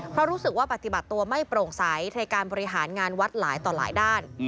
เพราะรู้สึกว่าปฏิบัติตัวไม่โปร่งใสในการบริหารงานวัดหลายต่อหลายด้าน